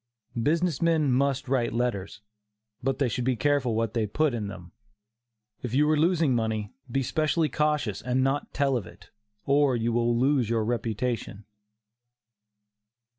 Business men must write letters, but they should be careful what they put in them. If you are losing money, be specially cautious and not tell of it, or you will lose your reputation.